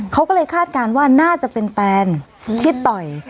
เขาก็เลยคาดการณ์ว่าน่าจะเป็นแตนที่ต่อย